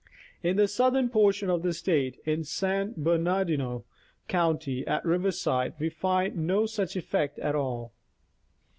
In the southern portion of the State, in San Bernardino county, at Riverside, we find no such effect at all.